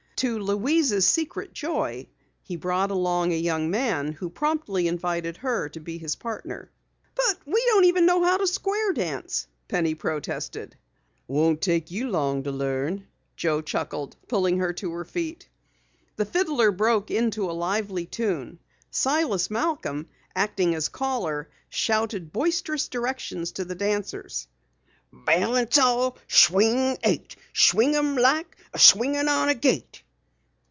To Louise's secret joy he brought along a young man who promptly invited her to be his partner. "But we don't know how to square dance," Penny protested. "Won't take you long to learn," Joe chuckled, pulling her to her feet. The fiddler broke into a lively tune. Silas Malcom, acting as caller, shouted boisterous directions to the dancers: "Balance all, balance eight, swing 'em like a swingin' on a gate."